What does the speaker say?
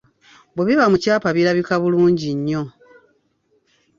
Bwe biba mu kyapa birabika bulungi nnyo.